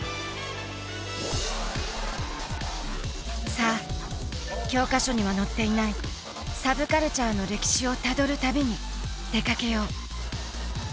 さあ教科書には載っていないサブカルチャーの歴史をたどる旅に出かけよう。